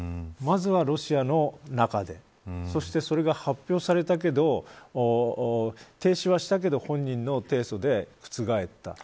まずはロシアの中でそして、それが発表されたけど停止はしたけど本人の提訴で覆った。